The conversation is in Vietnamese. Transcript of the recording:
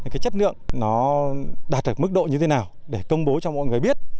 cái chất lượng nó đạt được mức độ như thế nào để công bố cho mọi người biết